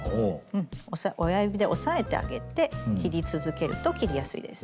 親指で押さえてあげて切り続けると切りやすいです。